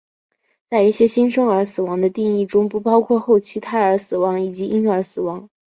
在一些新生儿死亡的定义中不包括后期胎儿死亡以及婴儿死亡。